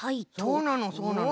そうなのそうなの。